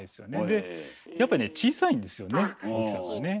でやっぱりね小さいんですよね大きさがね。